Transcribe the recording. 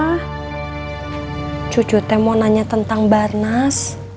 mak cucu teh mau nanya tentang barnas